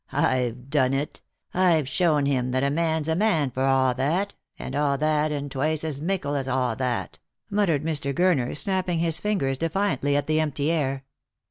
I've done it. I've shown him that a man's a man for a' that, and a' that, and twice as mickle as a' that," muttered Mr. Gurner, snapping his fingers defiantly at the empty air.